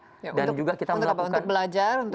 untuk apa untuk belajar untuk showcase juga